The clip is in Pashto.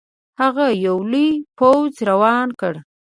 هغه یو لوی پوځ روان کړ.